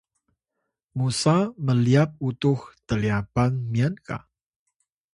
musa mlyap utux tlyapan myan ga